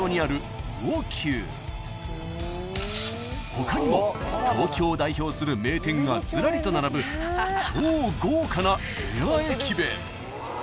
［他にも東京を代表する名店がずらりと並ぶ超豪華なレア駅弁］